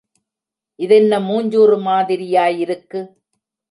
இதென்ன மூஞ்சுறு மாதிரியிருக்கு.